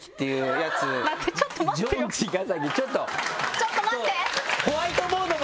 ちょっと待ってよ。